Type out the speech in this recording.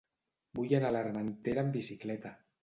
Vull anar a l'Armentera amb bicicleta.